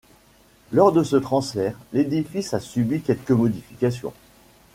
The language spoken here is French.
Lors de ce transfert, l'édifice a subi quelques modifications.